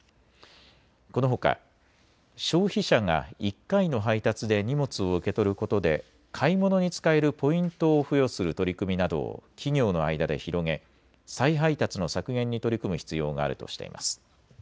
このほか消費者が１回の配達で荷物を受け取ることで買い物に使えるポイントを付与する取り組みなどを企業の間で広げ再配達の削減に取り組む必要があるとしています。